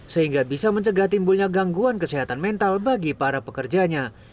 sehingga bisa mencegah timbulnya gangguan kesehatan mental bagi para pekerjanya